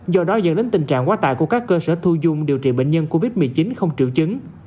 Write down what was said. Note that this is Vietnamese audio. do đó dẫn đến tình trạng quá tải của các cơ sở thu dung điều trị bệnh nhân covid một mươi chín không triệu chứng